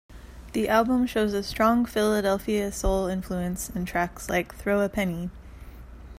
The album shows a strong Philadelphia soul influence in tracks like "Throw a Penny".